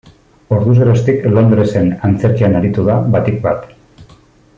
Orduz geroztik, Londresen antzerkian aritu da batik bat.